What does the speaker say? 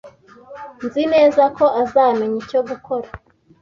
Nzi neza ko azamenya icyo gukora.